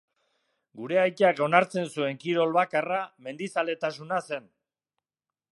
Gure aitak onartzen zuen kirol bakarra mendizaletasuna zen.